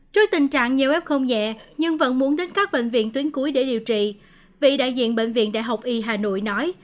trước tình trạng nhiều f nhẹ nhưng vẫn muốn đến các bệnh viện tuyến cuối để điều trị vị đại diện bệnh viện đại học y hà nội nói